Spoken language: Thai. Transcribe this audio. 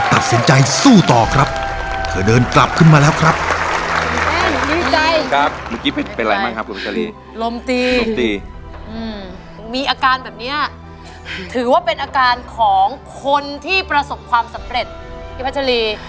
มีอาการแบบนี้ถือว่าเป็นอาการของคนที่ประสบความสำเร็จที่พระชะลี